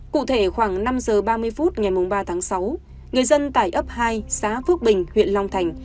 cụ thể khoảng năm giờ ba mươi phút ngày ba tháng sáu người dân tại ấp hai xã phước bình huyện long thành